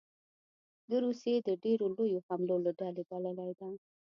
د روسیې د ډېرو لویو حملو له ډلې بللې ده